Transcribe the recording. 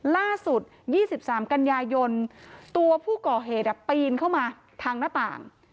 ล่าสุดยี่สิบสามกัญญายนต์ตัวผู้ก่อเหตุอะปีนเข้ามาทางหน้าต่าง